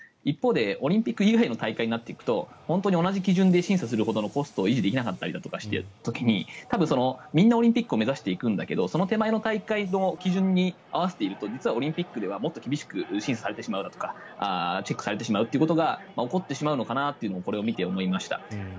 一方で、オリンピック以外の大会になっていくと同じ基準で審査するほどのコストを維持できなかったりしている時にみんなオリンピックを目指していくんだけどその手前の大会の基準に合わせていくと実はオリンピックではもっと厳しく審査されてしまうだとかチェックされてしまうということが起こってしまうのかなとこれを見て思いました。